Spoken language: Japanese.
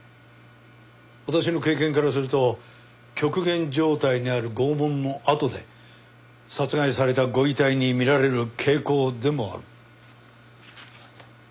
私の経験からすると極限状態にある拷問のあとで殺害されたご遺体に見られる傾向でもある。